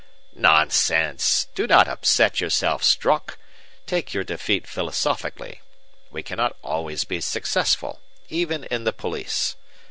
"Nonsense! Do not upset yourself, Strock. Take your defeat philosophically. We cannot always be successful, even in the police.